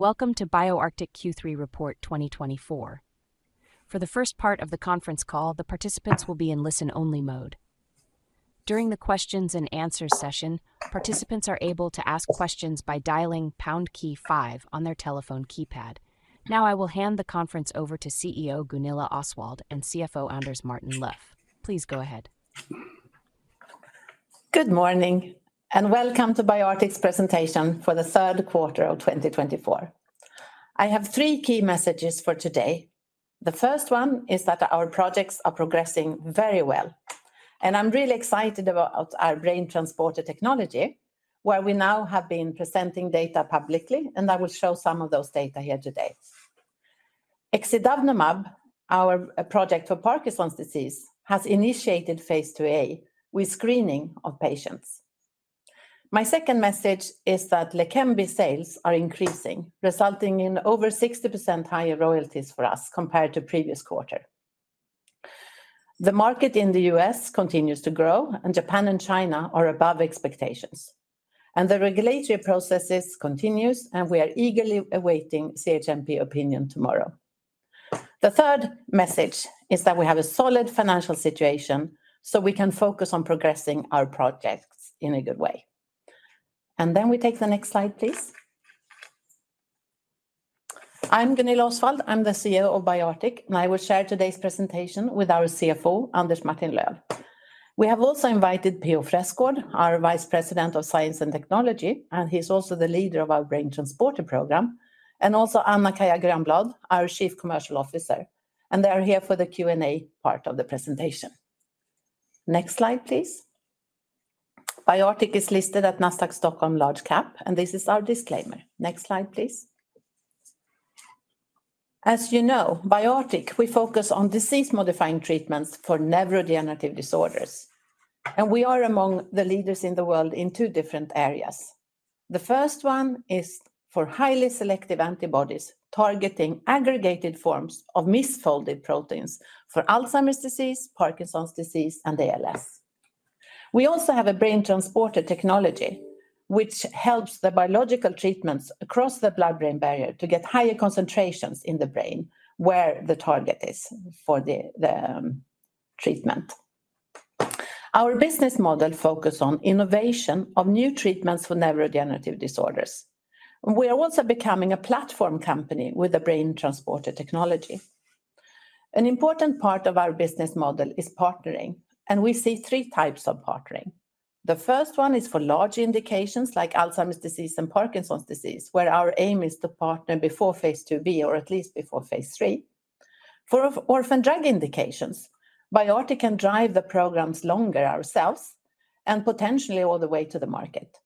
Welcome to BioArctic Q3 Report 2024. For the first part of the conference call, the participants will be in listen-only mode. During the questions-and-answers session, participants are able to ask questions by dialing pound key five on their telephone keypad. Now, I will hand the conference over to CEO Gunilla Osswald and CFO Anders Martin-Löf. Please go ahead. Good morning, and welcome to BioArctic's presentation for the third quarter of 2024. I have three key messages for today. The first one is that our projects are progressing very well, and I'm really excited about our brain transporter technology, where we now have been presenting data publicly, and I will show some of those data here today. Exidavnemab, our project for Parkinson's disease, has phase II-A with screening of patients. My second message is that Leqembi sales are increasing, resulting in over 60% higher royalties for us compared to the previous quarter. The market in the U.S. continues to grow, and Japan and China are above expectations, and the regulatory processes continue, and we are eagerly awaiting CHMP opinion tomorrow. The third message is that we have a solid financial situation, so we can focus on progressing our projects in a good way. And then we take the next slide, please. I'm Gunilla Osswald, I'm the CEO of BioArctic, and I will share today's presentation with our CFO, Anders Martin-Löf. We have also invited Per-Ola Freskgård, our Vice President of Science and Technology, and he's also the leader of our brain transporter program, and also Anna-Kaija Grönblad, our Chief Commercial Officer. And they are here for the Q&A part of the presentation. Next slide, please. BioArctic is listed at Nasdaq Stockholm Large Cap, and this is our disclaimer. Next slide, please. As you know, BioArctic, we focus on disease-modifying treatments for neurodegenerative disorders, and we are among the leaders in the world in two different areas. The first one is for highly selective antibodies targeting aggregated forms of misfolded proteins for Alzheimer's disease, Parkinson's disease, and ALS. We also have a brain transporter technology, which helps the biological treatments across the blood-brain barrier to get higher concentrations in the brain where the target is for the treatment. Our business model focuses on innovation of new treatments for neurodegenerative disorders. We are also becoming a platform company with a brain transporter technology. An important part of our business model is partnering, and we see three types of partnering. The first one is for large indications like Alzheimer's disease and Parkinson's disease, where our aim is to partner before phase II-B or at least before phase III. For orphan drug indications, BioArctic can drive the programs longer ourselves and potentially all the way to the market.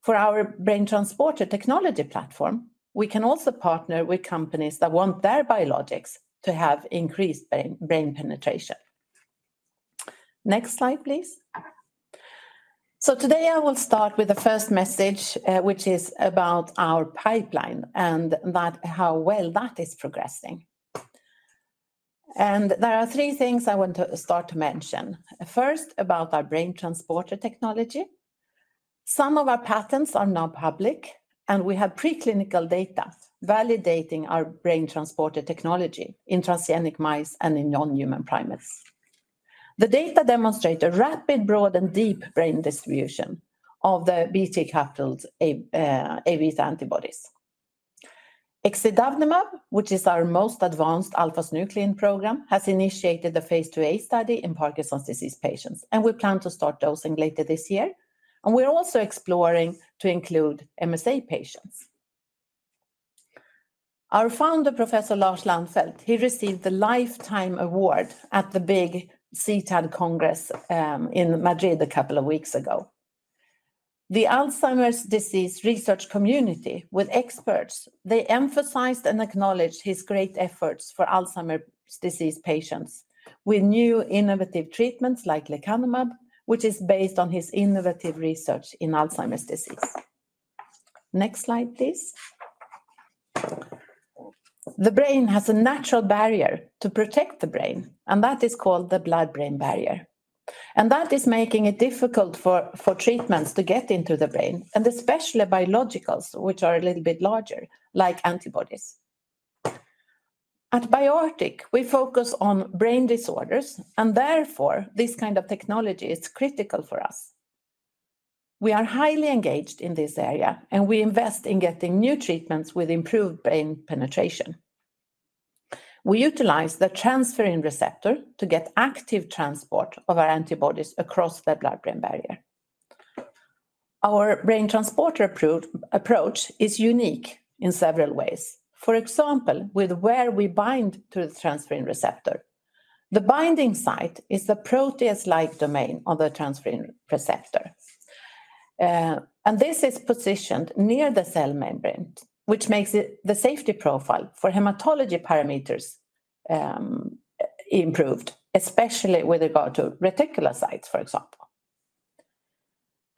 For our brain transporter technology platform, we can also partner with companies that want their biologics to have increased brain penetration. Next slide, please. So today I will start with the first message, which is about our pipeline and how well that is progressing. And there are three things I want to start to mention. First, about our brain transporter technology. Some of our patents are now public, and we have preclinical data validating our brain transporter technology in transgenic mice and in non-human primates. The data demonstrate a rapid, broad, and deep brain distribution of the BT-coupled Aβ antibodies. Exidavnemab, which is our most advanced alpha-synuclein program, has initiated phase II-A study in Parkinson's disease patients, and we plan to start dosing later this year. And we're also exploring to include MSA patients. Our founder, Professor Lars Lannfelt, he received the Lifetime Award at the big CTAD Congress in Madrid a couple of weeks ago. The Alzheimer's disease research community with experts, they emphasized and acknowledged his great efforts for Alzheimer's disease patients with new innovative treatments like lecanemab, which is based on his innovative research in Alzheimer's disease. Next slide, please. The brain has a natural barrier to protect the brain, and that is called the blood-brain barrier, and that is making it difficult for treatments to get into the brain, and especially biologicals, which are a little bit larger, like antibodies. At BioArctic, we focus on brain disorders, and therefore this kind of technology is critical for us. We are highly engaged in this area, and we invest in getting new treatments with improved brain penetration. We utilize the transferrin receptor to get active transport of our antibodies across the blood-brain barrier. Our brain transporter approach is unique in several ways. For example, with where we bind to the transferrin receptor, the binding site is the protease-like domain of the transferrin receptor. And this is positioned near the cell membrane, which makes the safety profile for hematology parameters improved, especially with regard to reticulocytes, for example.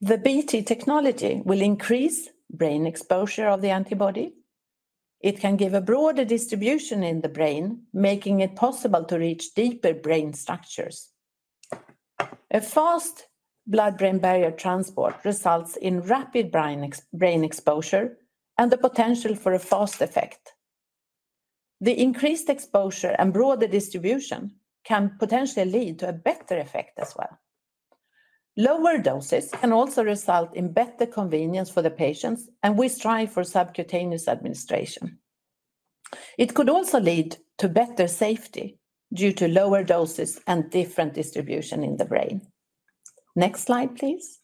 The BT technology will increase brain exposure of the antibody. It can give a broader distribution in the brain, making it possible to reach deeper brain structures. A fast blood-brain barrier transport results in rapid brain exposure and the potential for a fast effect. The increased exposure and broader distribution can potentially lead to a better effect as well. Lower doses can also result in better convenience for the patients, and we strive for subcutaneous administration. It could also lead to better safety due to lower doses and different distribution in the brain. Next slide, please.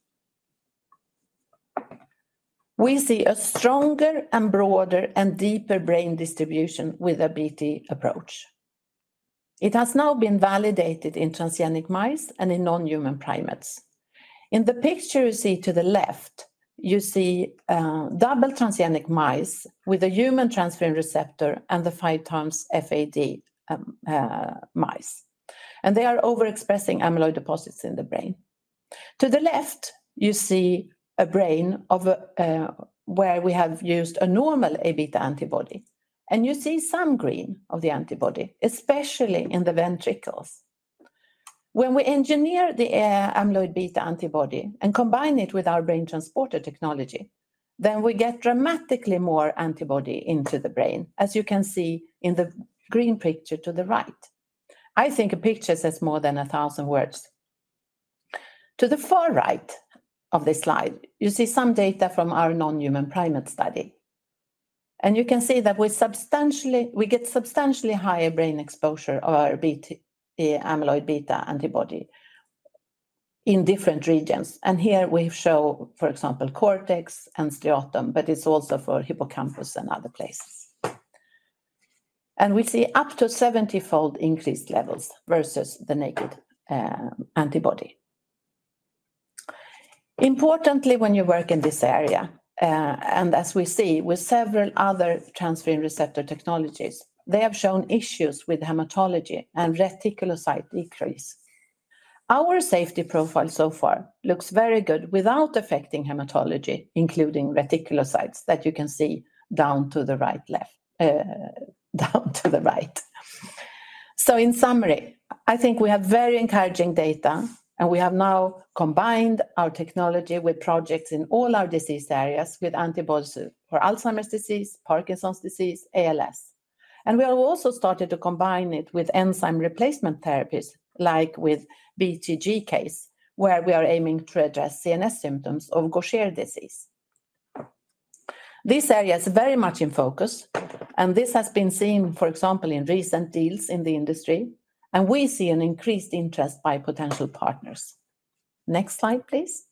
We see a stronger and broader and deeper brain distribution with a BT approach. It has now been validated in transgenic mice and in non-human primates. In the picture you see to the left, you see double transgenic mice with a human transferrin receptor and the 5xFAD mice, and they are overexpressing amyloid deposits in the brain. To the left, you see a brain where we have used a normal Aβ antibody, and you see some green of the antibody, especially in the ventricles. When we engineer the amyloid beta antibody and combine it with our brain transporter technology, then we get dramatically more antibody into the brain, as you can see in the green picture to the right. I think a picture says more than a thousand words. To the far right of this slide, you see some data from our non-human primate study. You can see that we get substantially higher brain exposure of our amyloid beta antibody in different regions. Here we show, for example, cortex and striatum, but it's also for hippocampus and other places. We see up to 70-fold increased levels versus the naked antibody. Importantly, when you work in this area, and as we see with several other transferrin receptor technologies, they have shown issues with hematology and reticulocyte decrease. Our safety profile so far looks very good without affecting hematology, including reticulocytes that you can see down to the right. In summary, I think we have very encouraging data, and we have now combined our technology with projects in all our disease areas with antibodies for Alzheimer's disease, Parkinson's disease, ALS. We have also started to combine it with enzyme replacement therapies, like with GCase, where we are aiming to address CNS symptoms of Gaucher disease. This area is very much in focus, and this has been seen, for example, in recent deals in the industry, and we see an increased interest by potential partners. Next slide, please.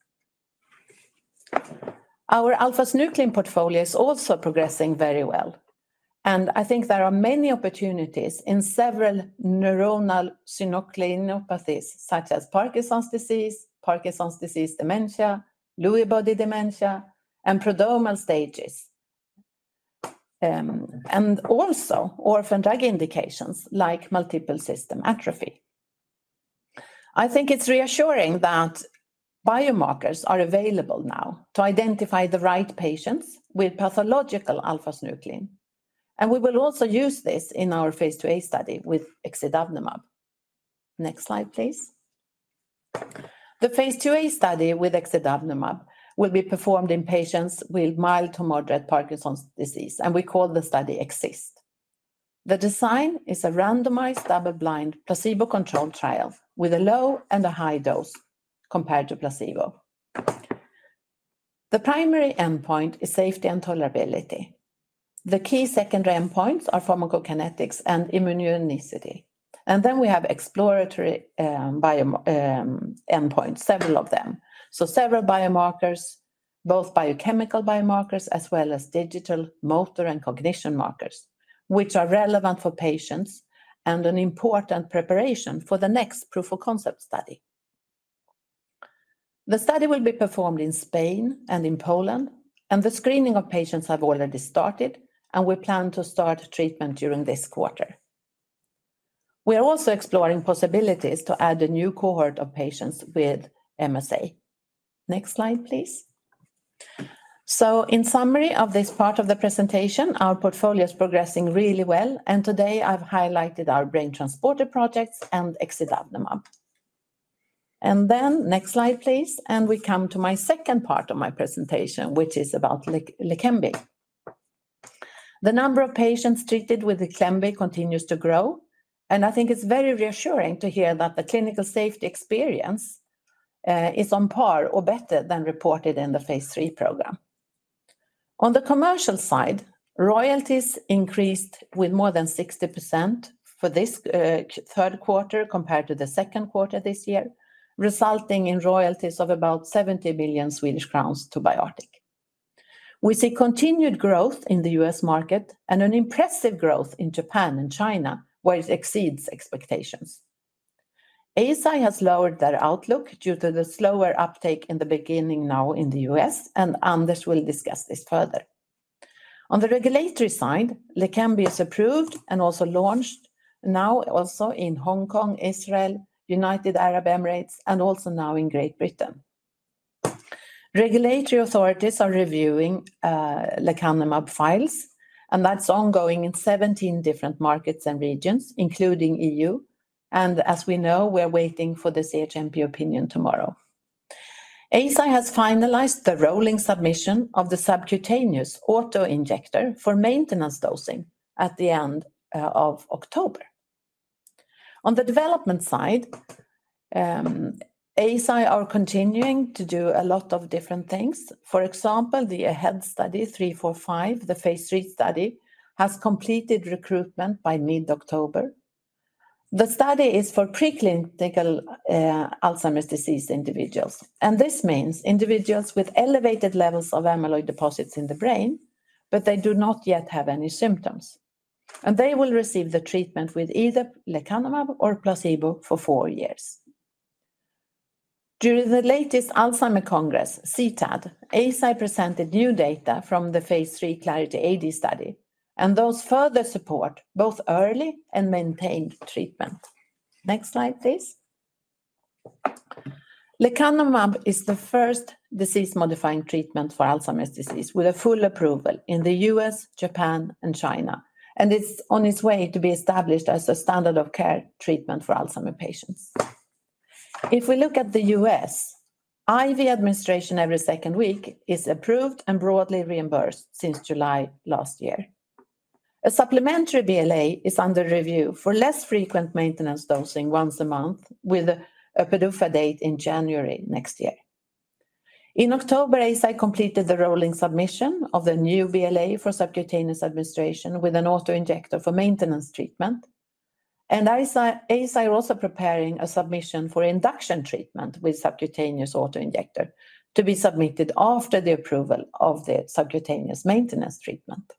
Our alpha-synuclein portfolio is also progressing very well. I think there are many opportunities in several neuronal synucleinopathies such as Parkinson's disease, Parkinson's disease dementia, Lewy body dementia, and prodromal stages, and also orphan drug indications like multiple system atrophy. I think it's reassuring that biomarkers are available now to identify the right patients with pathological alpha-synuclein. We will also use this in phase II-A study with exidavnemab. Next slide, please. Phase II-A study with exidavnemab will be performed in patients with mild to moderate Parkinson's disease, and we call the study EXIST. The design is a randomized double-blind placebo-controlled trial with a low and a high dose compared to placebo. The primary endpoint is safety and tolerability. The key secondary endpoints are pharmacokinetics and immunogenicity, and then we have exploratory endpoints, several of them, so several biomarkers, both biochemical biomarkers as well as digital, motor, and cognition markers, which are relevant for patients and an important preparation for the next proof-of-concept study. The study will be performed in Spain and in Poland, and the screening of patients has already started, and we plan to start treatment during this quarter. We are also exploring possibilities to add a new cohort of patients with MSA. Next slide, please. So in summary of this part of the presentation, our portfolio is progressing really well, and today I've highlighted our brain transporter projects and exidavnemab. And then next slide, please, and we come to my second part of my presentation, which is about Leqembi. The number of patients treated with Leqembi continues to grow, and I think it's very reassuring to hear that the clinical safety experience is on par or better than reported in the phase III program. On the commercial side, royalties increased with more than 60% for this third quarter compared to the second quarter this year, resulting in royalties of about 70 million Swedish crowns to BioArctic. We see continued growth in the U.S. market and an impressive growth in Japan and China, where it exceeds expectations. Eisai has lowered their outlook due to the slower uptake in the beginning now in the U.S., and Anders will discuss this further. On the regulatory side, Leqembi is approved and also launched now also in Hong Kong, Israel, United Arab Emirates, and also now in Great Britain. Regulatory authorities are reviewing lecanemab files, and that's ongoing in 17 different markets and regions, including the E.U., and as we know, we're waiting for the CHMP opinion tomorrow. Eisai has finalized the rolling submission of the subcutaneous autoinjector for maintenance dosing at the end of October. On the development side, Eisai are continuing to do a lot of different things. For example, the AHEAD 3-45 study, the phase III study, has completed recruitment by mid-October. The study is for preclinical Alzheimer's disease individuals, and this means individuals with elevated levels of amyloid deposits in the brain, but they do not yet have any symptoms, and they will receive the treatment with either lecanemab or placebo for four years. During the latest Alzheimer's Congress, CTAD, Eisai presented new data from the Phase III Clarity AD study, and those further support both early and maintained treatment. Next slide, please. Lecanemab is the first disease-modifying treatment for Alzheimer's disease with full approval in the U.S., Japan, and China, and it's on its way to be established as a standard of care treatment for Alzheimer's patients. If we look at the U.S., IV administration every second week is approved and broadly reimbursed since July last year. A supplementary BLA is under review for less frequent maintenance dosing once a month with a PDUFA date in January next year. In October, Eisai completed the rolling submission of the new BLA for subcutaneous administration with an autoinjector for maintenance treatment. And Eisai is also preparing a submission for induction treatment with subcutaneous autoinjector to be submitted after the approval of the subcutaneous maintenance treatment.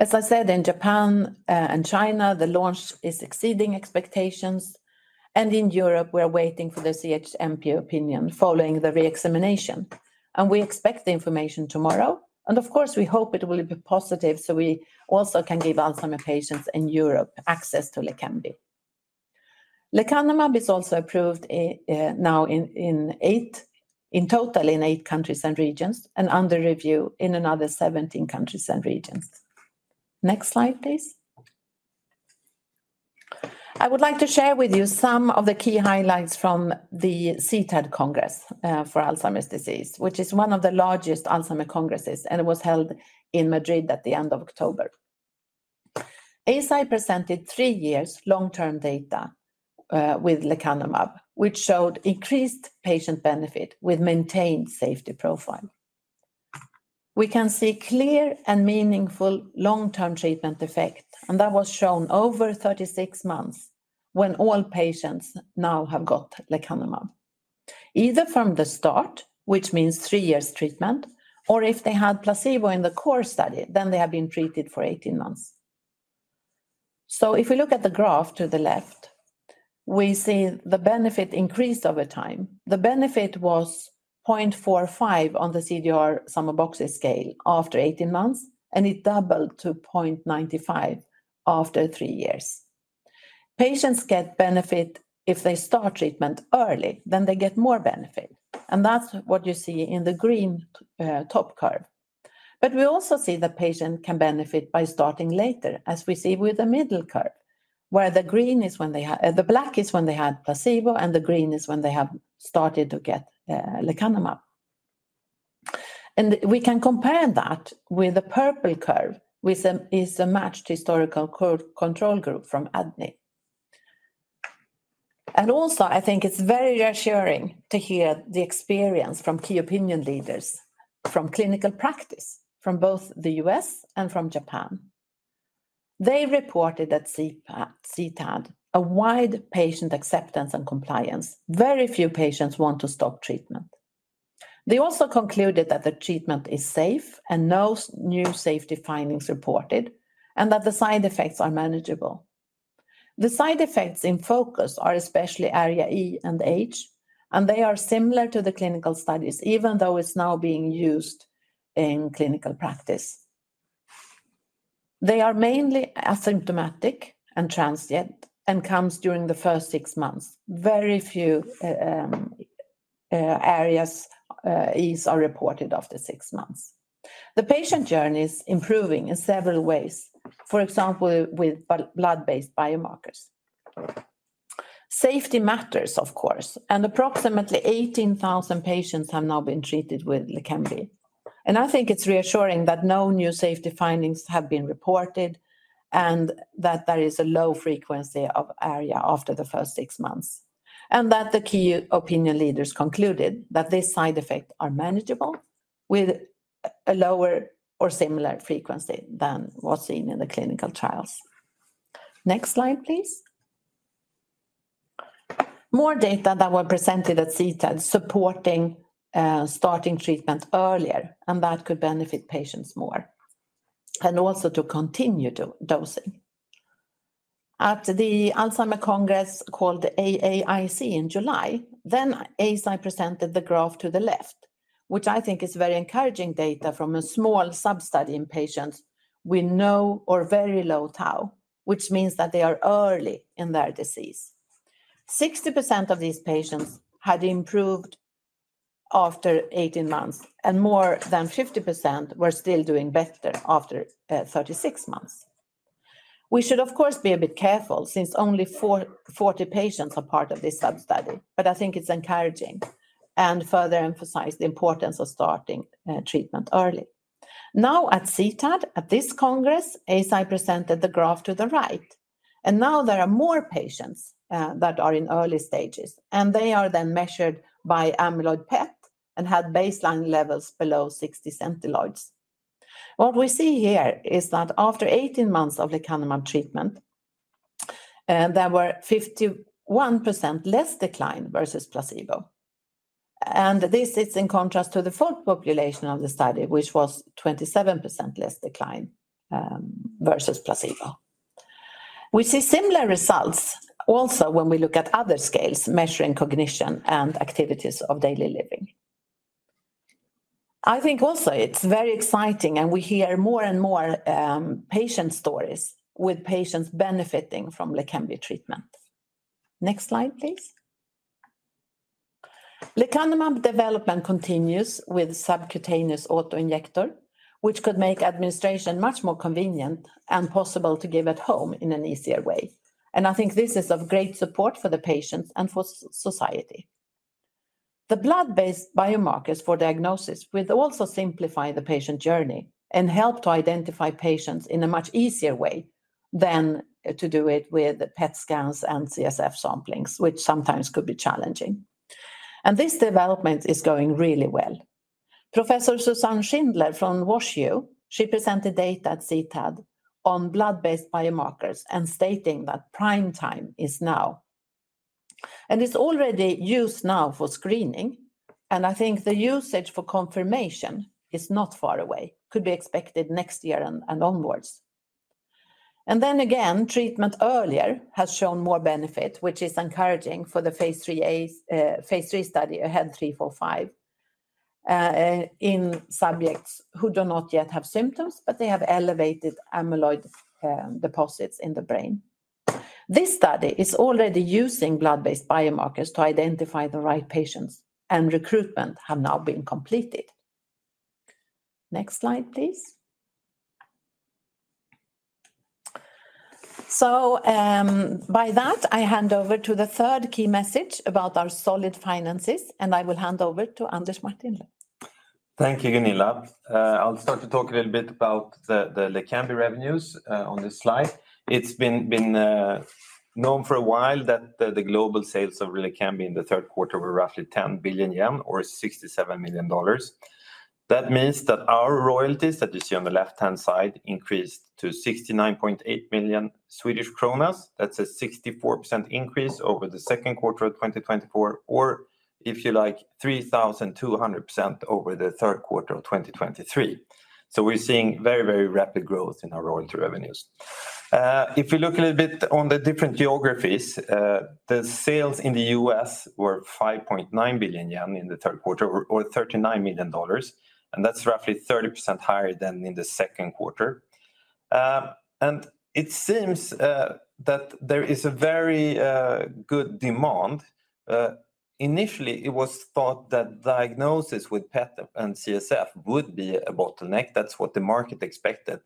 As I said, in Japan and China, the launch is exceeding expectations. And in Europe, we're waiting for the CHMP opinion following the re-examination. And we expect the information tomorrow. And of course, we hope it will be positive so we also can give Alzheimer's patients in Europe access to Leqembi. Lecanumab is also approved now in total in eight countries and regions and under review in another 17 countries and regions. Next slide, please. I would like to share with you some of the key highlights from the CTAD Congress for Alzheimer's disease, which is one of the largest Alzheimer's congresses, and it was held in Madrid at the end of October. Eisai presented three years' long-term data with lecanemab, which showed increased patient benefit with maintained safety profile. We can see clear and meaningful long-term treatment effect, and that was shown over 36 months when all patients now have got lecanemab, either from the start, which means three years' treatment, or if they had placebo in the core study, then they have been treated for 18 months. If we look at the graph to the left, we see the benefit increased over time. The benefit was 0.45 on the CDR sum of boxes scale after 18 months, and it doubled to 0.95 after three years. Patients get benefit if they start treatment early, then they get more benefit. And that's what you see in the green top curve. But we also see that patients can benefit by starting later, as we see with the middle curve, where the green is when they have, the black is when they had placebo, and the green is when they have started to get lecanemab. And we can compare that with the purple curve, which is a matched historical control group from ADNI. And also, I think it's very reassuring to hear the experience from key opinion leaders, from clinical practice, from both the U.S. and from Japan. They reported at CTAD a wide patient acceptance and compliance. Very few patients want to stop treatment. They also concluded that the treatment is safe and no new safety findings reported, and that the side effects are manageable. The side effects in focus are especially ARIA-E and ARIA-H, and they are similar to the clinical studies, even though it's now being used in clinical practice. They are mainly asymptomatic and transient and come during the first six months. Very few ARIAs are reported after six months. The patient journey is improving in several ways, for example, with blood-based biomarkers. Safety matters, of course, and approximately 18,000 patients have now been treated with Leqembi. And I think it's reassuring that no new safety findings have been reported and that there is a low frequency of ARIA after the first six months. And that the key opinion leaders concluded that these side effects are manageable with a lower or similar frequency than what's seen in the clinical trials. Next slide, please. More data that were presented at CTAD supporting starting treatment earlier, and that could benefit patients more and also to continue dosing. At the Alzheimer's Congress called the AAIC in July, then Eisai presented the graph to the left, which I think is very encouraging data from a small sub-study in patients with no or very low Tau, which means that they are early in their disease. 60% of these patients had improved after 18 months, and more than 50% were still doing better after 36 months. We should, of course, be a bit careful since only 40 patients are part of this sub-study, but I think it's encouraging and further emphasized the importance of starting treatment early. Now at CTAD, at this congress, Eisai presented the graph to the right. And now there are more patients that are in early stages, and they are then measured by amyloid PET and had baseline levels below 60 Centiloids. What we see here is that after 18 months of Lecanemab treatment, there were 51% less decline versus placebo. And this is in contrast to the full population of the study, which was 27% less decline versus placebo. We see similar results also when we look at other scales measuring cognition and activities of daily living. I think also it's very exciting, and we hear more and more patient stories with patients benefiting from Leqembi treatment. Next slide, please. Lecanemab development continues with subcutaneous autoinjector, which could make administration much more convenient and possible to give at home in an easier way. And I think this is of great support for the patients and for society. The blood-based biomarkers for diagnosis will also simplify the patient journey and help to identify patients in a much easier way than to do it with PET scans and CSF samplings, which sometimes could be challenging. This development is going really well. Professor Suzanne Schindler from WashU, she presented data at CTAD on blood-based biomarkers and stating that prime time is now. It's already used now for screening, and I think the usage for confirmation is not far away, could be expected next year and onwards. Treatment earlier has shown more benefit, which is encouraging for the phase III AHEAD 3-45 study in subjects who do not yet have symptoms, but they have elevated amyloid deposits in the brain. This study is already using blood-based biomarkers to identify the right patients, and recruitment has now been completed. Next slide, please. By that, I hand over to the third key message about our solid finances, and I will hand over to Anders Martin-Löf. Thank you, Gunilla. I'll start to talk a little bit about the Leqembi revenues on this slide. It's been known for a while that the global sales of Leqembi in the third quarter were roughly 10 billion yen or $67 million. That means that our royalties that you see on the left-hand side increased to 69.8 million Swedish kronor. That's a 64% increase over the second quarter of 2024, or if you like, 3,200% over the third quarter of 2023. We're seeing very, very rapid growth in our royalty revenues. If we look a little bit on the different geographies, the sales in the U.S. were 5.9 billion yen in the third quarter or $39 million, and that's roughly 30% higher than in the second quarter, and it seems that there is a very good demand. Initially, it was thought that diagnosis with PET and CSF would be a bottleneck. That's what the market expected.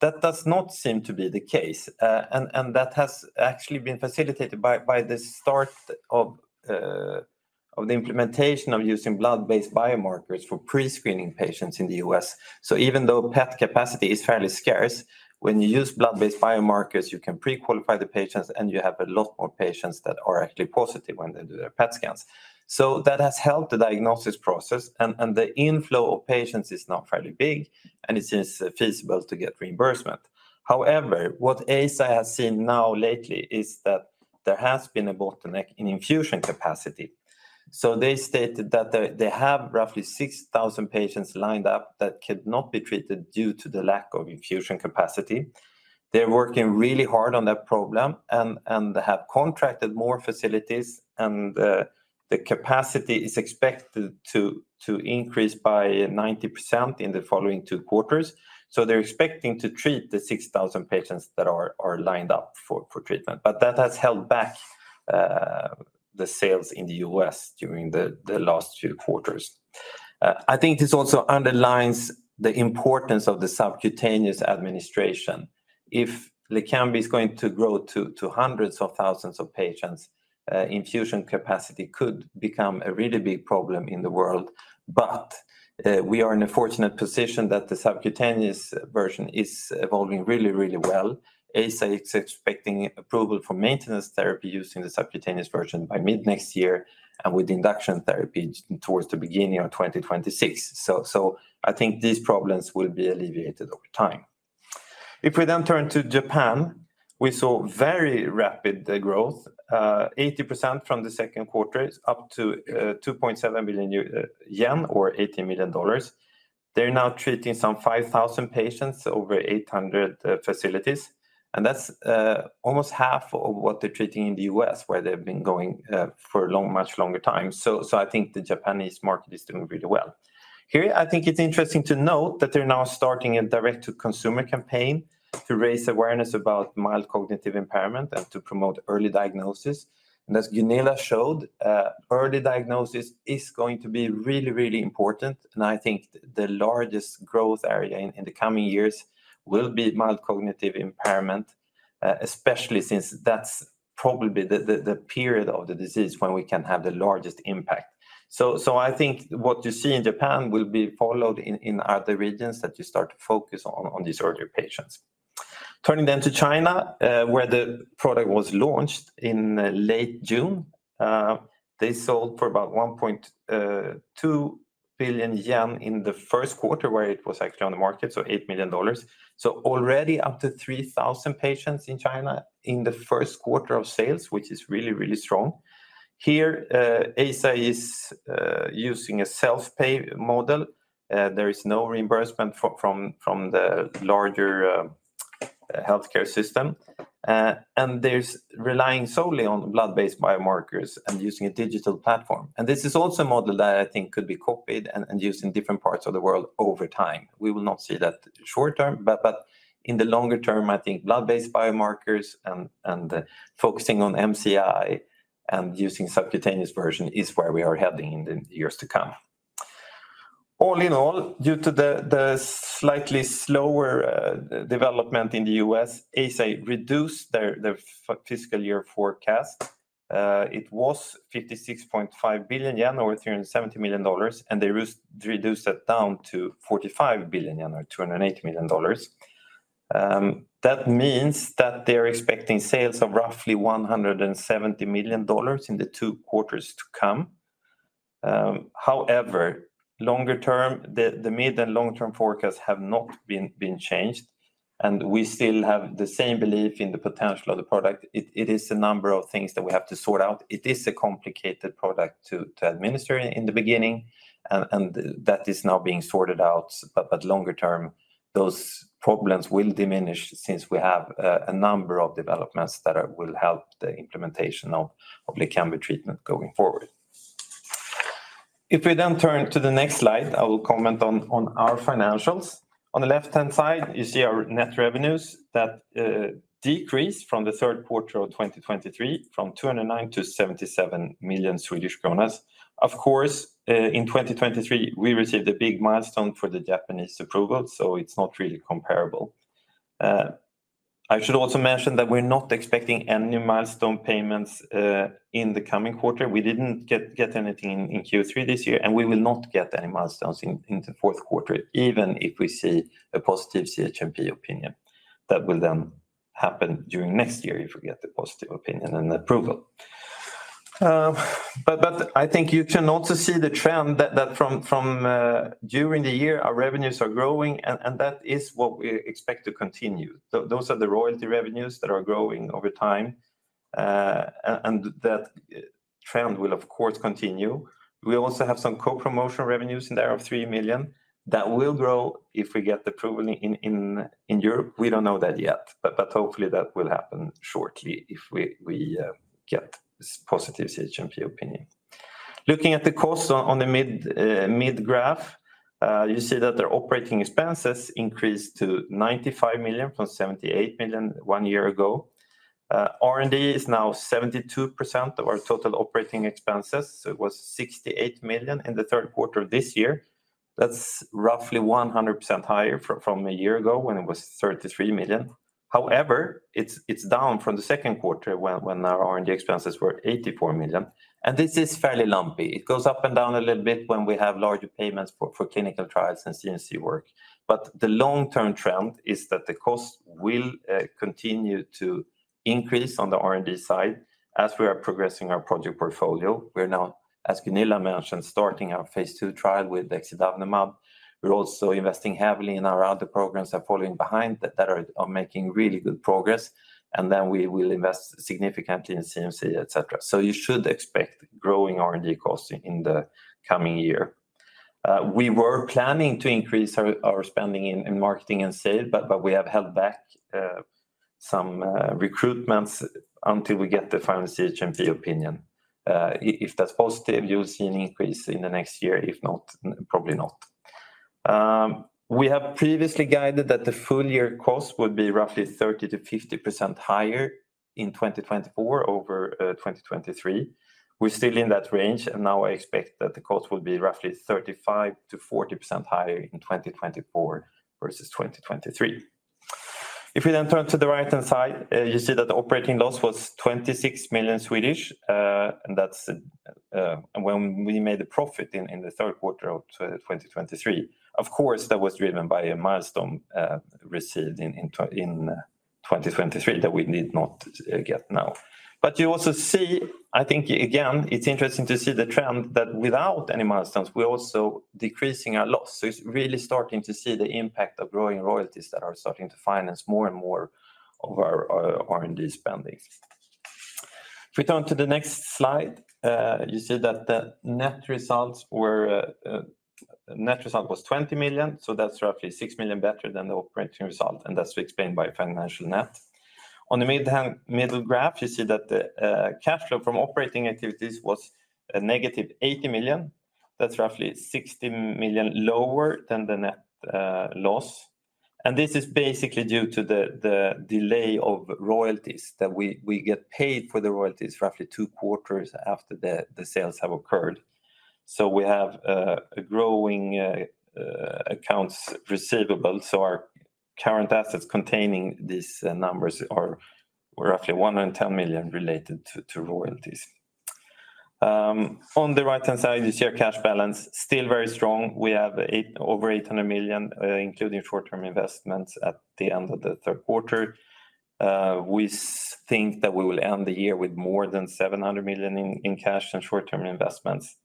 That does not seem to be the case, and that has actually been facilitated by the start of the implementation of using blood-based biomarkers for pre-screening patients in the U.S., so even though PET capacity is fairly scarce, when you use blood-based biomarkers, you can pre-qualify the patients, and you have a lot more patients that are actually positive when they do their PET scans. So that has helped the diagnosis process, and the inflow of patients is now fairly big, and it is feasible to get reimbursement. However, what Eisai has seen now lately is that there has been a bottleneck in infusion capacity. So they stated that they have roughly 6,000 patients lined up that could not be treated due to the lack of infusion capacity. They're working really hard on that problem and have contracted more facilities, and the capacity is expected to increase by 90% in the following two quarters. So they're expecting to treat the 6,000 patients that are lined up for treatment, but that has held back the sales in the U.S. during the last few quarters. I think this also underlines the importance of the subcutaneous administration. If Leqembi is going to grow to hundreds of thousands of patients, infusion capacity could become a really big problem in the world. But we are in a fortunate position that the subcutaneous version is evolving really, really well. Eisai is expecting approval for maintenance therapy using the subcutaneous version by mid next year and with induction therapy towards the beginning of 2026. So I think these problems will be alleviated over time. If we then turn to Japan, we saw very rapid growth, 80% from the second quarter up to 2.7 billion yen or $18 million. They're now treating some 5,000 patients over 800 facilities, and that's almost half of what they're treating in the U.S., where they've been going for a much longer time. So I think the Japanese market is doing really well. Here, I think it's interesting to note that they're now starting a direct-to-consumer campaign to raise awareness about mild cognitive impairment and to promote early diagnosis, and as Gunilla showed, early diagnosis is going to be really, really important. I think the largest growth area in the coming years will be mild cognitive impairment, especially since that's probably the period of the disease when we can have the largest impact, so I think what you see in Japan will be followed in other regions that you start to focus on these earlier patients. Turning then to China, where the product was launched in late June, they sold for about 1.2 billion yen in the first quarter, where it was actually on the market, so $8 million. So already up to 3,000 patients in China in the first quarter of sales, which is really, really strong. Here, Eisai is using a self-pay model. There is no reimbursement from the larger healthcare system, and they're relying solely on blood-based biomarkers and using a digital platform. And this is also a model that I think could be copied and used in different parts of the world over time. We will not see that short term, but in the longer term, I think blood-based biomarkers and focusing on MCI and using subcutaneous version is where we are heading in the years to come. All in all, due to the slightly slower development in the U.S., Eisai reduced their fiscal year forecast. It was 56.5 billion yen or $370 million, and they reduced it down to 45 billion yen or $208 million. That means that they're expecting sales of roughly $170 million in the two quarters to come. However, longer term, the mid and long-term forecasts have not been changed, and we still have the same belief in the potential of the product. It is a number of things that we have to sort out. It is a complicated product to administer in the beginning, and that is now being sorted out, but longer term, those problems will diminish since we have a number of developments that will help the implementation of Leqembi treatment going forward. If we then turn to the next slide, I will comment on our financials. On the left-hand side, you see our net revenues that decreased from the third quarter of 2023 from 209 million to 77 million Swedish kronor. Of course, in 2023, we received a big milestone for the Japanese approval, so it's not really comparable. I should also mention that we're not expecting any milestone payments in the coming quarter. We didn't get anything in Q3 this year, and we will not get any milestones in the fourth quarter, even if we see a positive CHMP opinion. That will then happen during next year if we get the positive opinion and approval. But I think you can also see the trend that from during the year, our revenues are growing, and that is what we expect to continue. Those are the royalty revenues that are growing over time, and that trend will, of course, continue. We also have some co-promotion revenues in there of 3 million that will grow if we get the approval in Europe. We don't know that yet, but hopefully that will happen shortly if we get this positive CHMP opinion. Looking at the costs on the mid graph, you see that their operating expenses increased to 95 million from 78 million one year ago. R&D is now 72% of our total operating expenses, so it was 68 million in the third quarter of this year. That's roughly 100% higher from a year ago when it was 33 million. However, it's down from the second quarter when our R&D expenses were 84 million, and this is fairly lumpy. It goes up and down a little bit when we have larger payments for clinical trials and CMC work, but the long-term trend is that the cost will continue to increase on the R&D side as we are progressing our project portfolio. We're now, as Gunilla mentioned, starting our phase II trial with exidavnemab. We're also investing heavily in our other programs that are following behind that are making really good progress, and then we will invest significantly in CMC, etc., so you should expect growing R&D costs in the coming year. We were planning to increase our spending in marketing and sales, but we have held back some recruitments until we get the final CHMP opinion. If that's positive, you'll see an increase in the next year. If not, probably not. We have previously guided that the full year cost would be roughly 30%-50% higher in 2024 over 2023. We're still in that range, and now I expect that the cost would be roughly 35%-40% higher in 2024 versus 2023. If we then turn to the right-hand side, you see that the operating loss was 26 million, and that's when we made a profit in the third quarter of 2023. Of course, that was driven by a milestone received in 2023 that we did not get now. But you also see, I think again, it's interesting to see the trend that without any milestones, we're also decreasing our loss. So it's really starting to see the impact of growing royalties that are starting to finance more and more of our R&D spending. If we turn to the next slide, you see that the net result was 20 million, so that's roughly six million better than the operating result, and that's explained by financial net. On the middle graph, you see that the cash flow from operating activities was negative 80 million. That's roughly 60 million lower than the net loss. And this is basically due to the delay of royalties that we get paid for the royalties roughly two quarters after the sales have occurred. So we have a growing accounts receivable. So our current assets containing these numbers are roughly 110 million related to royalties. On the right-hand side, you see our cash balance still very strong. We have over 800 million, including short-term investments at the end of the third quarter. We think that we will end the year with more than 700 million in cash and short-term investments.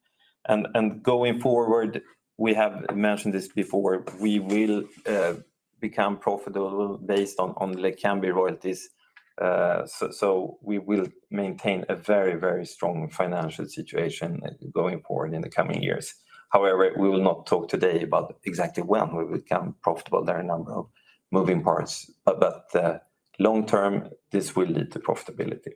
And going forward, we have mentioned this before, we will become profitable based on Leqembi royalties. So we will maintain a very, very strong financial situation going forward in the coming years. However, we will not talk today about exactly when we will become profitable. There are a number of moving parts, but long-term, this will lead to profitability.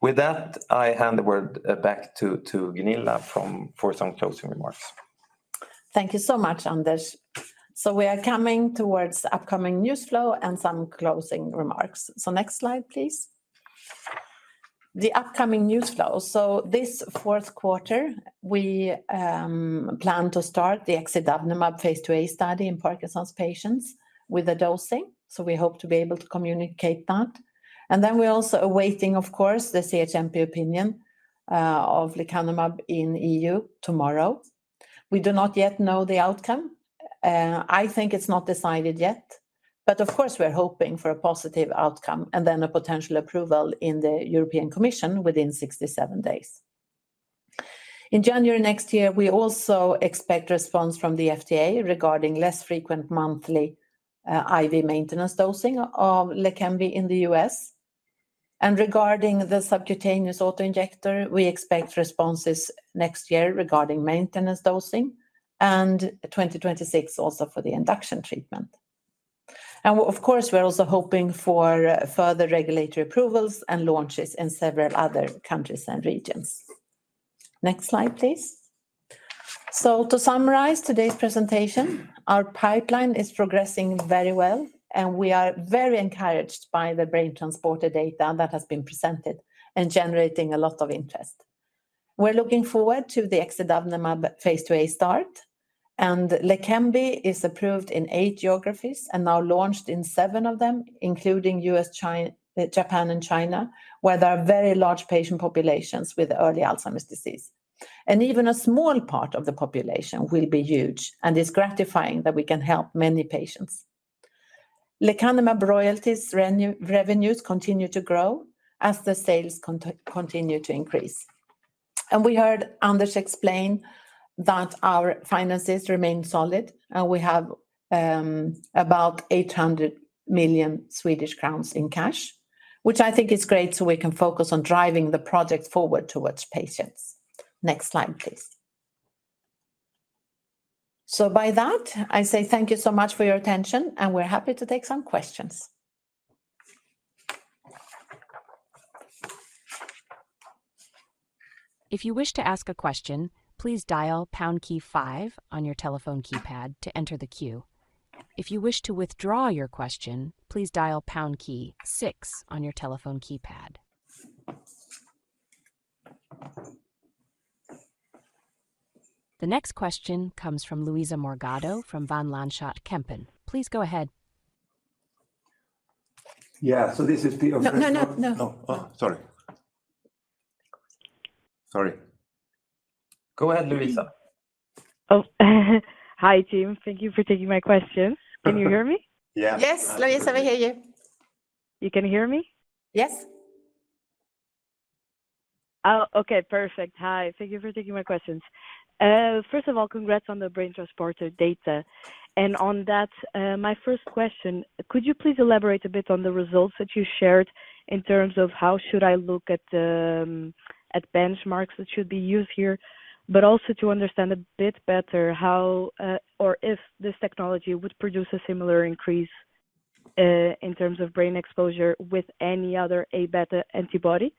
With that, I hand the word back to Gunilla for some closing remarks. Thank you so much, Anders. So we are coming towards upcoming news flow and some closing remarks. So next slide, please. The upcoming news flow. So this fourth quarter, we plan to start the phase II-A study in Parkinson's patients with the dosing. So we hope to be able to communicate that. And then we're also awaiting, of course, the CHMP opinion of lecanemab in E.U. tomorrow. We do not yet know the outcome. I think it's not decided yet, but of course, we're hoping for a positive outcome and then a potential approval in the European Commission within 67 days. In January next year, we also expect response from the FDA regarding less frequent monthly I.V. maintenance dosing of Leqembi in the U.S. And regarding the subcutaneous autoinjector, we expect responses next year regarding maintenance dosing and 2026 also for the induction treatment. And of course, we're also hoping for further regulatory approvals and launches in several other countries and regions. Next slide, please. So to summarize today's presentation, our pipeline is progressing very well, and we are very encouraged by the brain transporter data that has been presented and generating a lot of interest. We're looking forward to the phase II-A start, and Leqembi is approved in eight geographies and now launched in seven of them, including U.S., Japan, and China, where there are very large patient populations with early Alzheimer's disease, and even a small part of the population will be huge, and it's gratifying that we can help many patients. Lecanemab royalties revenues continue to grow as the sales continue to increase, and we heard Anders explain that our finances remain solid, and we have about 800 million Swedish crowns in cash, which I think is great so we can focus on driving the project forward towards patients. Next slide, please. So by that, I say thank you so much for your attention, and we're happy to take some questions. If you wish to ask a question, please dial pound key five on your telephone keypad to enter the queue. If you wish to withdraw your question, please dial pound key six on your telephone keypad. The next question comes from Luisa Morgado from Van Lanschot Kempen. Please go ahead. Go ahead, Luisa. Oh, hi, team. Thank you for taking my question. Can you hear me? Yeah. Yes, Luisa, we hear you. You can hear me? Yes. Oh, okay, perfect. Hi. Thank you for taking my questions. First of all, congrats on the brain transporter data. And on that, my first question, could you please elaborate a bit on the results that you shared in terms of how should I look at benchmarks that should be used here, but also to understand a bit better how or if this technology would produce a similar increase in terms of brain exposure with any other Aβ antibody,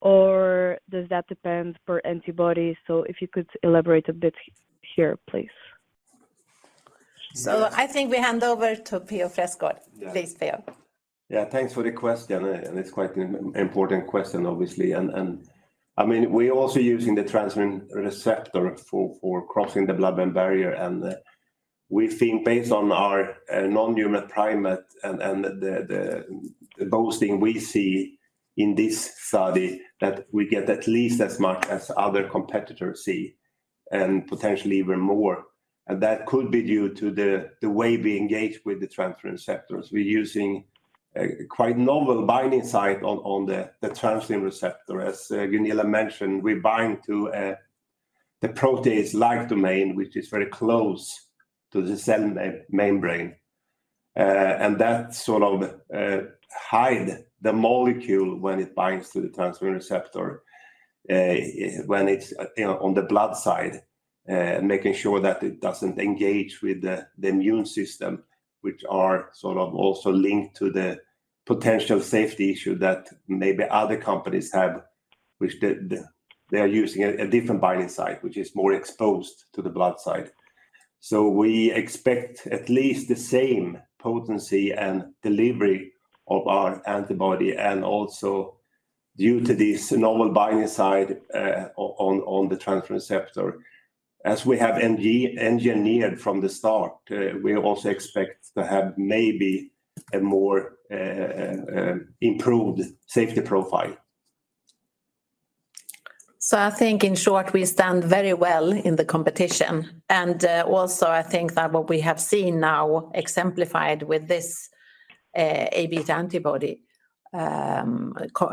or does that depend per antibody? So if you could elaborate a bit here, please. So I think we hand over to Per-Ola Freskgård. Please, Per-Ola. Yeah, thanks for the question. And it's quite an important question, obviously. And I mean, we're also using the transferrin receptor for crossing the blood-brain barrier. And we think based on our non-human primate and the boosting we see in this study that we get at least as much as other competitors see and potentially even more. That could be due to the way we engage with the transferrin receptors. We're using quite novel binding site on the transferrin receptor. As Gunilla mentioned, we bind to the protease-like domain, which is very close to the cell membrane. That sort of hides the molecule when it binds to the transferrin receptor when it's on the blood side, making sure that it doesn't engage with the immune system, which are sort of also linked to the potential safety issue that maybe other companies have, which they are using a different binding site, which is more exposed to the blood side. We expect at least the same potency and delivery of our antibody and also due to this novel binding site on the transferrin receptor. As we have engineered from the start, we also expect to have maybe a more improved safety profile. So I think in short, we stand very well in the competition. And also, I think that what we have seen now exemplified with this Aβ antibody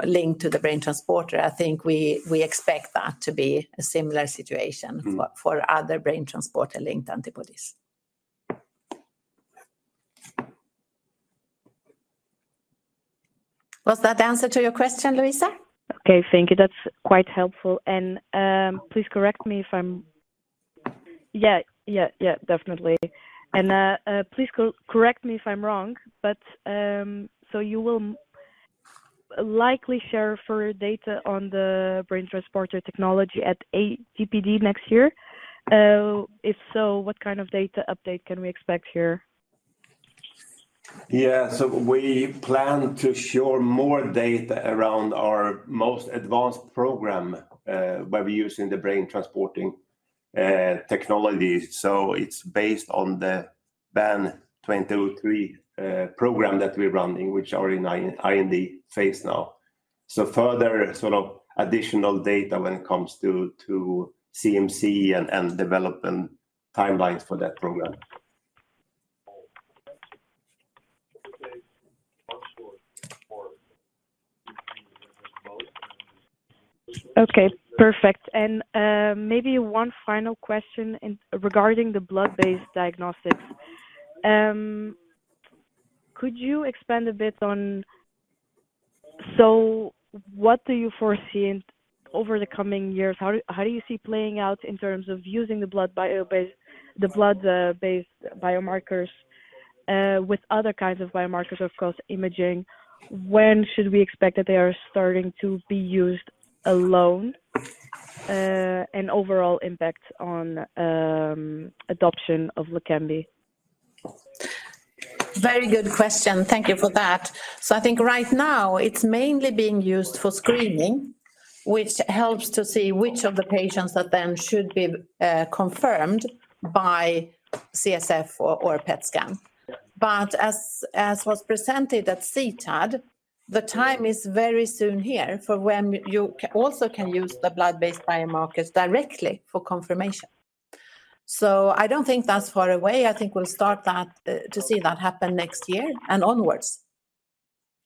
linked to the brain transporter, I think we expect that to be a similar situation for other brain transporter-linked antibodies. Was that the answer to your question, Luisa? Okay, thank you. That's quite helpful. And please correct me if I'm... Yeah, yeah, yeah, definitely. And please correct me if I'm wrong, but so you will likely share further data on the brain transporter technology at CTAD next year. If so, what kind of data update can we expect here? Yeah, so we plan to share more data around our most advanced program where we're using the brain transporting technology. So it's based on the BAN 2003 program that we're running, which is already in the IND phase now. So further sort of additional data when it comes to CMC and development timelines for that program. Okay, perfect. And maybe one final question regarding the blood-based diagnostics. Could you expand a bit on... So what do you foresee over the coming years? How do you see playing out in terms of using the blood-based biomarkers with other kinds of biomarkers, of course, imaging? When should we expect that they are starting to be used alone and overall impact on adoption of Leqembi? Very good question. Thank you for that. So I think right now it's mainly being used for screening, which helps to see which of the patients that then should be confirmed by CSF or PET scan. But as was presented at CTAD, the time is very soon here for when you also can use the blood-based biomarkers directly for confirmation. So I don't think that's far away. I think we'll start to see that happen next year and onwards.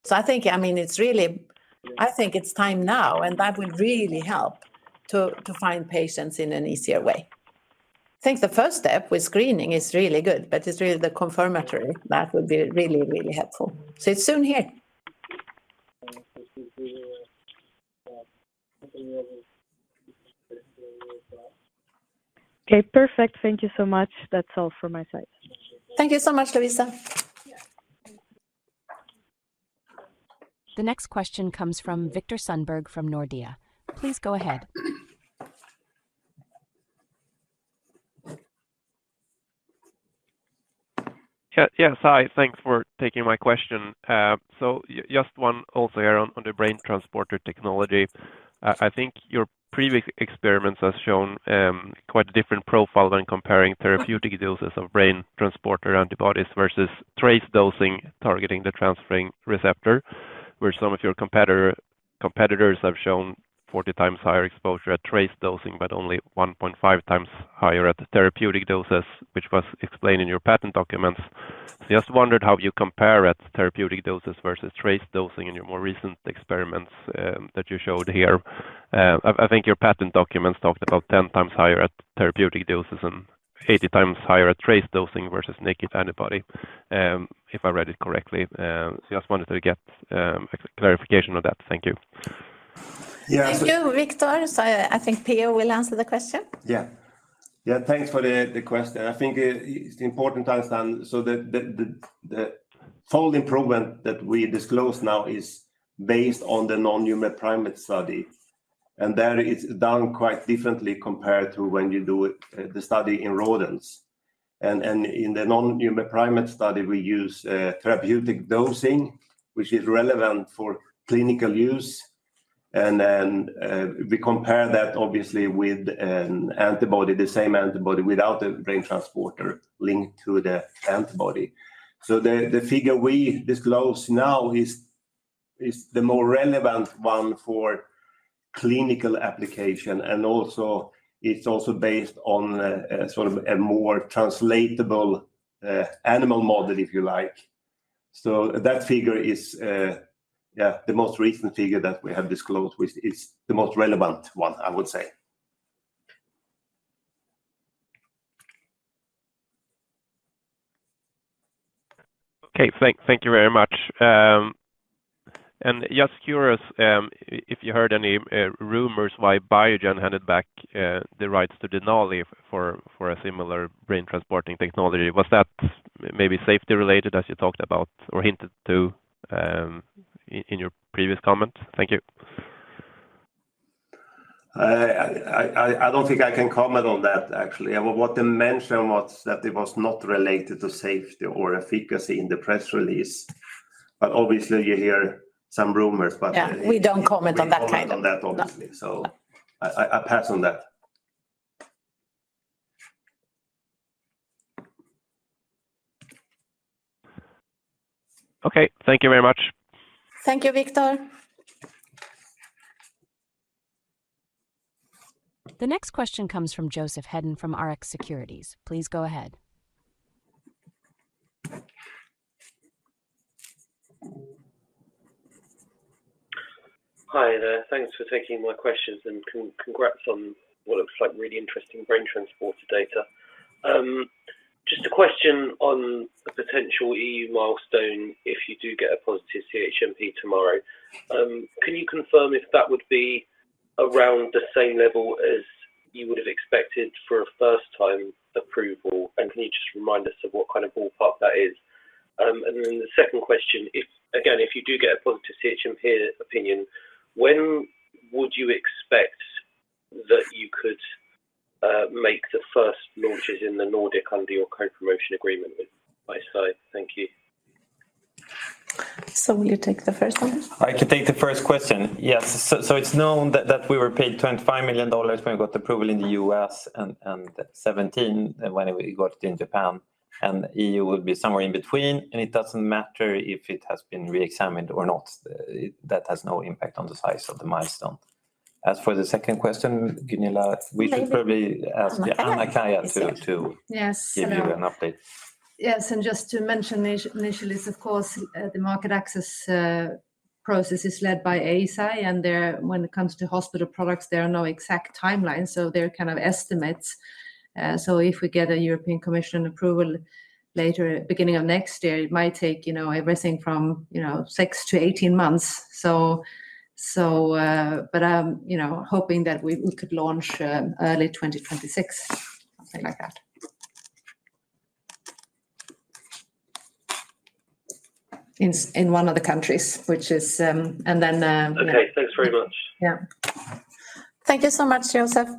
So I think, I mean, it's really, I think it's time now, and that will really help to find patients in an easier way. I think the first step with screening is really good, but it's really the confirmatory that would be really, really helpful. So it's soon here. Okay, perfect. Thank you so much. That's all from my side. Thank you so much, Luisa. The next question comes from Viktor Sundberg from Nordea. Please go ahead. Yeah, hi. Thanks for taking my question. So just one also here on the brain transporter technology. I think your previous experiments have shown quite a different profile when comparing therapeutic doses of brain transporter antibodies versus trace dosing targeting the transferrin receptor, where some of your competitors have shown 40x higher exposure at trace dosing, but only 1.5x higher at the therapeutic doses, which was explained in your patent documents. So I just wondered how you compare at therapeutic doses versus trace dosing in your more recent experiments that you showed here. I think your patent documents talked about 10x higher at therapeutic doses and 80x higher at trace dosing versus naked antibody, if I read it correctly. So I just wanted to get clarification on that. Thank you. Yeah. Thank you. Viktor. So I think Per-Ola will answer the question. Yeah. Yeah, thanks for the question. I think it's important to understand. The full improvement that we disclose now is based on the non-human primate study. There it's done quite differently compared to when you do the study in rodents. In the non-human primate study, we use therapeutic dosing, which is relevant for clinical use. Then we compare that, obviously, with an antibody, the same antibody without a brain transporter linked to the antibody. The figure we disclose now is the more relevant one for clinical application. Also it's also based on sort of a more translatable animal model, if you like. That figure is, yeah, the most recent figure that we have disclosed, which is the most relevant one, I would say. Okay, thank you very much. Just curious if you heard any rumors why Biogen handed back the rights to Denali for a similar brain transporting technology. Was that maybe safety-related, as you talked about or hinted to in your previous comment? Thank you. I don't think I can comment on that, actually. What they mentioned was that it was not related to safety or efficacy in the press release. But obviously, you hear some rumors, but we don't comment on that kind of thing. So I pass on that. Okay, thank you very much. Thank you, Viktor. The next question comes from Joseph Hedden from RX Securities. Please go ahead. Hi, there. Thanks for taking my questions and congrats on what looks like really interesting brain transporter data. Just a question on the potential E.U. milestone if you do get a positive CHMP tomorrow. Can you confirm if that would be around the same level as you would have expected for a first-time approval? And can you just remind us of what kind of ballpark that is? And then the second question, again, if you do get a positive CHMP opinion, when would you expect that you could make the first launches in the Nordic under your co-promotion agreement with Eisai? Thank you. So will you take the first one? I can take the first question. Yes. So it's known that we were paid $25 million when we got approval in the U.S. and 2017 when we got it in Japan. And E.U. will be somewhere in between. And it doesn't matter if it has been re-examined or not. That has no impact on the size of the milestone. As for the second question, Gunilla, we should probably ask Anna-Kaija to give you an update. Yes. And just to mention initially, of course, the market access process is led by Eisai. When it comes to hospital products, there are no exact timelines. They're kind of estimates. If we get a European Commission approval later at the beginning of next year, it might take everything from 6-18 months. I'm hoping that we could launch early 2026, something like that, in one of the countries, which is. Then. Okay, thanks very much. Yeah. Thank you so much, Joseph.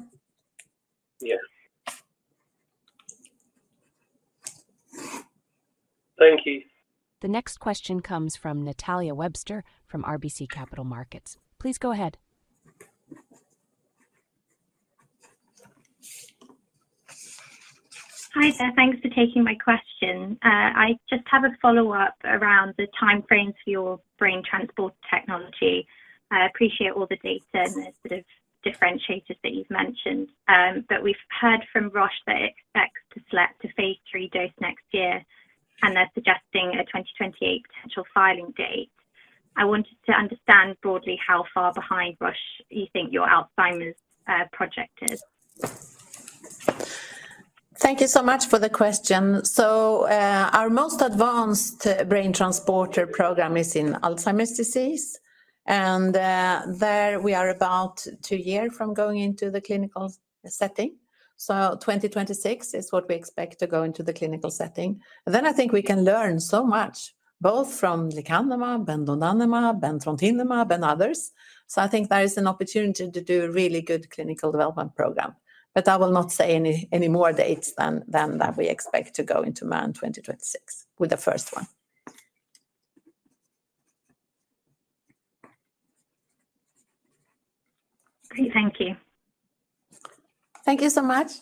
Yeah. Thank you. The next question comes from Natalia Webster from RBC Capital Markets. Please go ahead. Hi there. Thanks for taking my question. I just have a follow-up around the timeframes for your brain transport technology. I appreciate all the data and the sort of differentiators that you've mentioned. We've heard from Roche that it expects to slip to phase III dose next year, and they're suggesting a 2028 potential filing date. I wanted to understand broadly how far behind Roche you think your Alzheimer's project is. Thank you so much for the question. So our most advanced brain transporter program is in Alzheimer's disease. And there we are about two years from going into the clinical setting. So 2026 is what we expect to go into the clinical setting. Then I think we can learn so much, both from lecanemab, donanemab, trontinemab, and others. So I think there is an opportunity to do a really good clinical development program. But I will not say any more dates than that we expect to go into mid-2026 with the first one. Okay, thank you. Thank you so much.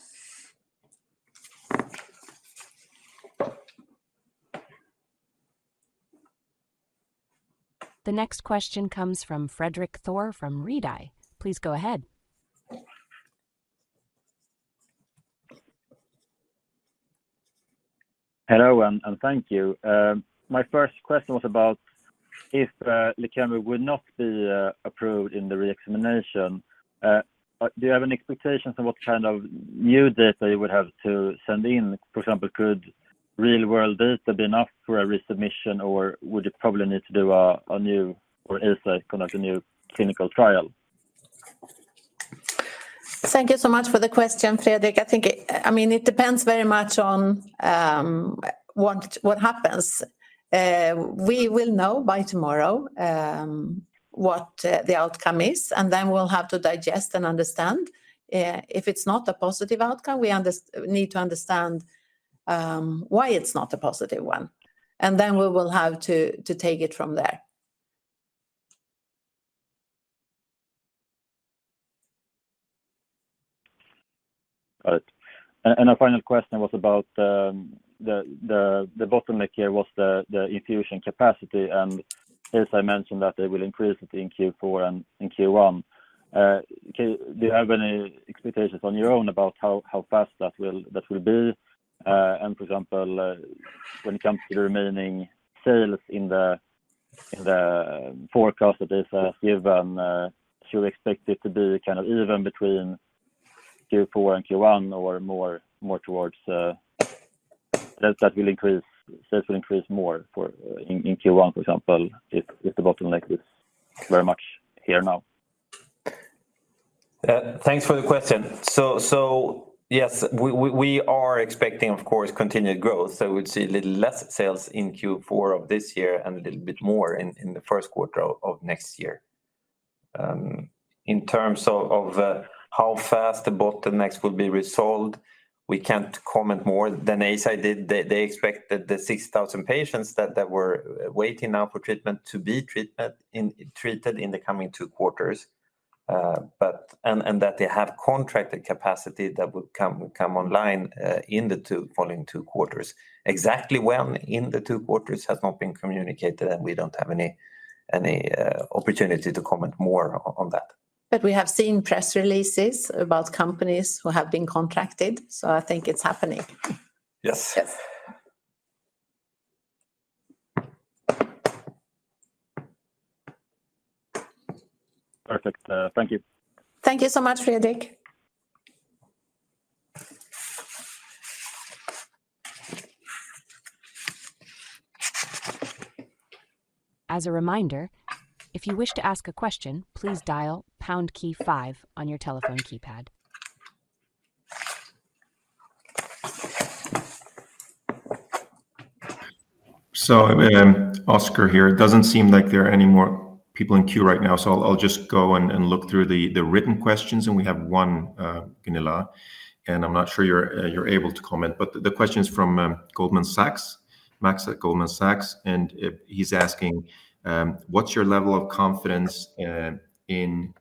The next question comes from Fredrik Thor from Redeye. Please go ahead. Hello, and thank you. My first question was about if lecanemab would not be approved in the re-examination. Do you have an expectation of what kind of new data you would have to send in? For example, could real-world data be enough for a resubmission, or would you probably need to do a new, or Eisai conduct a new clinical trial? Thank you so much for the question, Fredrik. I mean, it depends very much on what happens. We will know by tomorrow what the outcome is, and then we'll have to digest and understand. If it's not a positive outcome, we need to understand why it's not a positive one. And then we will have to take it from there. And a final question was about the bottleneck here was the infusion capacity. And as I mentioned, that they will increase it in Q4 and in Q1. Do you have any expectations on your own about how fast that will be? For example, when it comes to the remaining sales in the forecast that Eisai has given, should we expect it to be kind of even between Q4 and Q1 or more towards that sales will increase more in Q1, for example, if the bottleneck is very much here now? Thanks for the question. So yes, we are expecting, of course, continued growth. We'd see a little less sales in Q4 of this year and a little bit more in the first quarter of next year. In terms of how fast the bottlenecks will be resolved, we can't comment more than Eisai did. They expect that the 6,000 patients that were waiting now for treatment to be treated in the coming two quarters, and that they have contracted capacity that will come online in the following two quarters. Exactly when in the two quarters has not been communicated, and we don't have any opportunity to comment more on that. But we have seen press releases about companies who have been contracted. So I think it's happening. Yes. Perfect. Thank you. Thank you so much, Fredrik. As a reminder, if you wish to ask a question, please dial pound key five on your telephone keypad. So Oskar here. It doesn't seem like there are any more people in queue right now. So I'll just go and look through the written questions. And we have one, Gunilla. And I'm not sure you're able to comment. But the question is from Goldman Sachs, Max at Goldman Sachs. And he's asking, what's your level of confidence in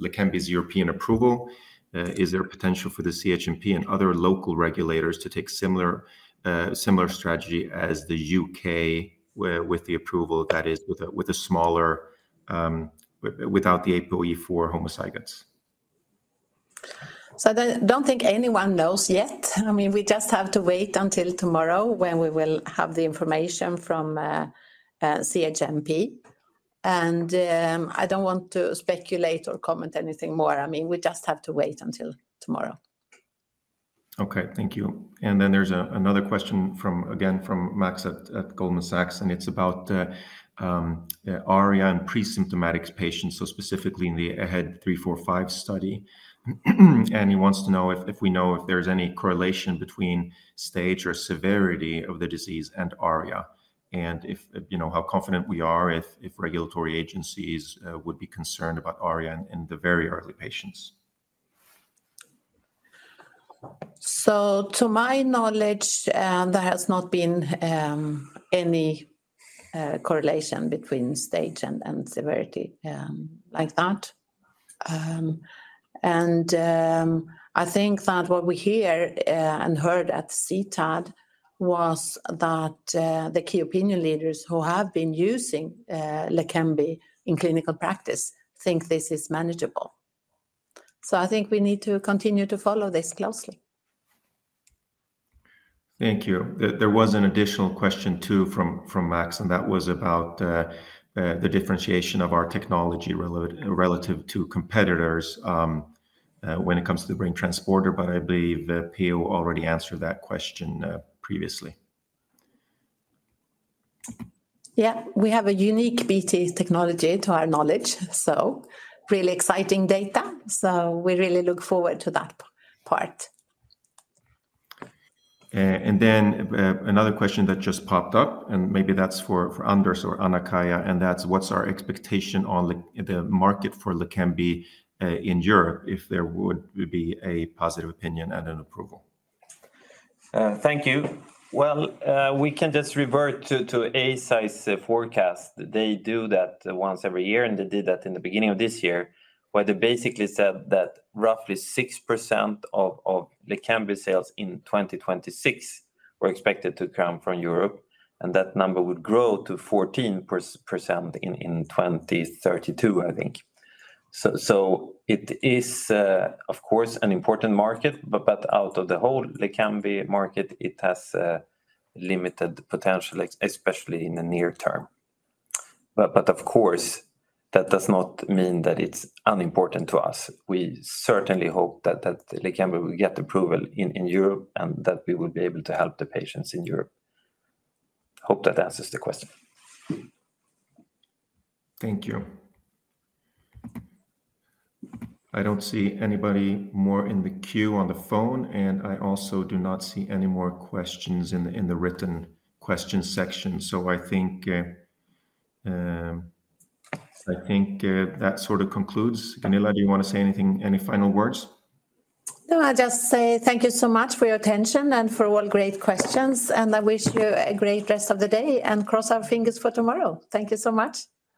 lecanemab's European approval? Is there potential for the CHMP and other local regulators to take a similar strategy as the U.K. with the approval, that is, with a smaller without the ApoE4 homozygotes? So I don't think anyone knows yet. I mean, we just have to wait until tomorrow when we will have the information from CHMP. And I don't want to speculate or comment anything more. I mean, we just have to wait until tomorrow. Okay, thank you. And then there's another question, again, from Max at Goldman Sachs. And it's about ARIA and presymptomatic patients, so specifically in the AHEAD 3-45 study. And he wants to know if we know if there's any correlation between stage or severity of the disease and ARIA, and how confident we are if regulatory agencies would be concerned about ARIA in the very early patients. To my knowledge, there has not been any correlation between stage and severity like that. I think that what we hear and heard at CTAD was that the key opinion leaders who have been using Lecanemab in clinical practice think this is manageable. I think we need to continue to follow this closely. Thank you. There was an additional question too from Max, and that was about the differentiation of our technology relative to competitors when it comes to the brain transporter. I believe Per-Ola already answered that question previously. Yeah, we have a unique BT technology to our knowledge. Really exciting data. We really look forward to that part. And then another question that just popped up, and maybe that's for Anders or Anna-Kaija, and that's what's our expectation on the market for lecanemab in Europe if there would be a positive opinion and an approval? Thank you. Well, we can just revert to Eisai's forecast. They do that once every year, and they did that in the beginning of this year, where they basically said that roughly 6% of lecanemab sales in 2026 were expected to come from Europe. And that number would grow to 14% in 2032, I think. So it is, of course, an important market. But out of the whole lecanemab market, it has limited potential, especially in the near term. But of course, that does not mean that it's unimportant to us. We certainly hope that lecanemab will get approval in Europe and that we will be able to help the patients in Europe. Hope that answers the question. Thank you. I don't see anybody more in the queue on the phone, and I also do not see any more questions in the written question section. So I think that sort of concludes. Gunilla, do you want to say any final words? No, I'll just say thank you so much for your attention and for all great questions, and I wish you a great rest of the day and cross our fingers for tomorrow. Thank you so much.